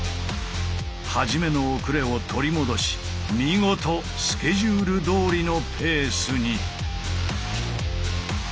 はじめの遅れを取り戻し見事スケジュールどおりのペースに！